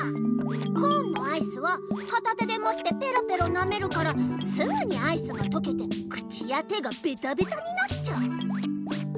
コーンのアイスはかた手でもってペロペロなめるからすぐにアイスがとけて口や手がベタベタになっちゃう。